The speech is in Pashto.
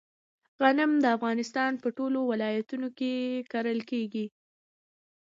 غنم د افغانستان په ټولو ولایتونو کې کرل کیږي.